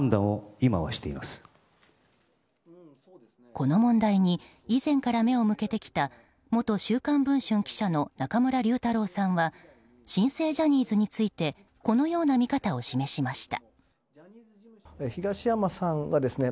この問題に以前から目を向けてきた元「週刊文春」記者の中村竜太郎さんは新生ジャニーズについてこのような見方を示しました。